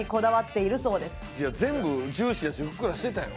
いや全部ジューシーやしふっくらしてたやろ。